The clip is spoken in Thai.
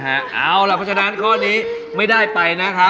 เพราะฉะนั้นข้อนี้ไม่ได้ไปนะคะ